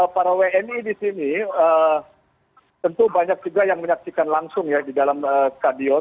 para wni di sini tentu banyak juga yang menyaksikan langsung ya di dalam stadion